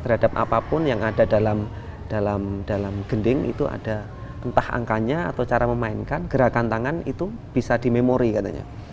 terhadap apapun yang ada dalam gending itu ada entah angkanya atau cara memainkan gerakan tangan itu bisa di memori katanya